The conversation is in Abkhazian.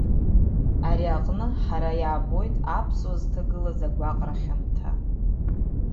Ари аҟны ҳара иаабоит аԥсуаа зҭагылаз агәаҟра хьамҭа.